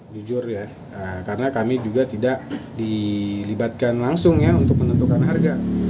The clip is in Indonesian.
jujur ya karena kami juga tidak dilibatkan langsung ya untuk menentukan harga